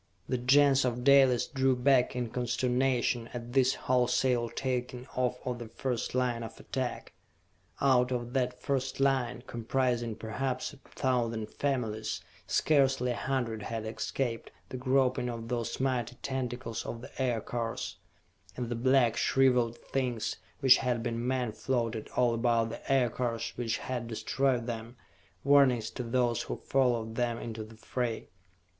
The Gens of Dalis drew back in consternation at this wholesale taking off of the first line of attack. Out of that first line, comprising perhaps a thousand families, scarcely a hundred had escaped the groping of those mighty tentacles of the Aircars and the black, shriveled things which had been men floated all about the Aircars which had destroyed them, warnings to those who followed them into the fray.